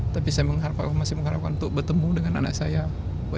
tapi saya masih mengharapkan untuk bertemu dengan anak saya